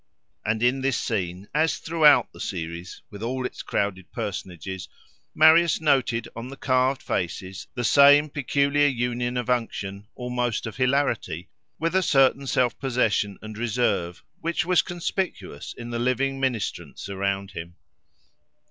And in this scene, as throughout the series, with all its crowded personages, Marius noted on the carved faces the same peculiar union of unction, almost of hilarity, with a certain self possession and reserve, which was conspicuous in the living ministrants around him.